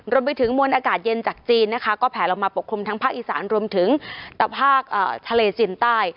รวมไปถึงมวลอากาศเย็นจากจีนนะคะก็แผลลงมาปกคลุมทั้งภาคอีสานรวมถึงตะภาคทะเลจีนใต้